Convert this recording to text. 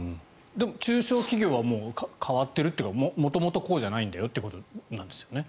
中小企業は変わっているというか元々こうじゃないんだよということなんですよね。